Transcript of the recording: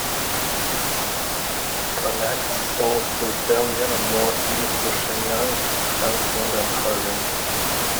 It connects south to Dalian and north east to Shenyang, Changchun and Harbin.